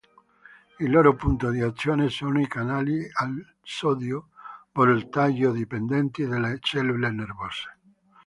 Il loro punto di azione sono i canali al sodio voltaggio-dipendenti delle cellule nervose.